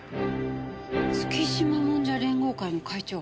月島もんじゃ連合会の会長。